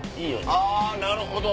あぁなるほど。